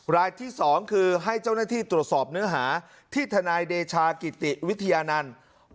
รายที่๒คือให้เจ้าหน้าที่ตรวจสอบเนื้อหาที่ทนายเดชากิติวิทยานันต์